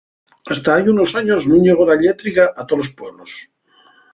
Hasta hai unos años nun llegó la llétrica a tolos pueblos.